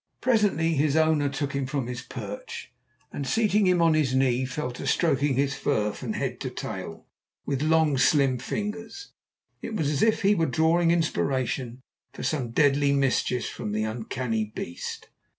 Presently his owner took him from his perch, and seating him on his knee fell to stroking his fur, from head to tail, with his long slim fingers. It was as if he were drawing inspiration for some deadly mischief from the uncanny beast.